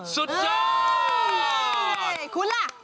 สุดยอด